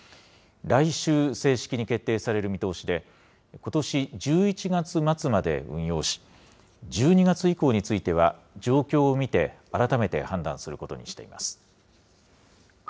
来週、正式に決定される見通しで、ことし１１月末まで運用し、１２月以降については、状況を見て改めて判断することにしています。